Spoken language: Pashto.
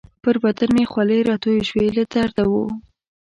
پر بدن مې خولې راتویې شوې، له درده وو.